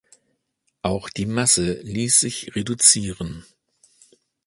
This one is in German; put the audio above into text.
Auch die Masse ließ sich reduzieren.